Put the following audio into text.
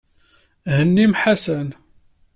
Hennim Ḥasan.